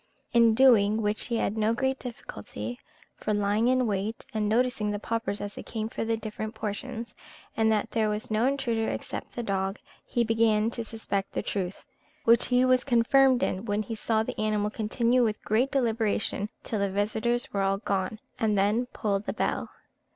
In doing which he had no great difficulty; for, lying in wait, and noticing the paupers as they came for their different portions, and that there was no intruder except the dog, he began to suspect the truth; which he was confirmed in when he saw the animal continue with great deliberation till the visitors were all gone, and then pull the bell.